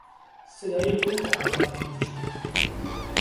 صدای او در غار پیچید.